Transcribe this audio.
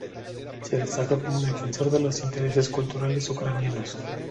Se destacó como defensor de los intereses culturales ucranianos.